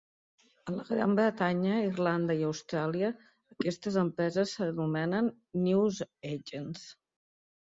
A la Gran Bretanya, Irlanda i Austràlia, aquestes empreses s'anomenen "newsagents".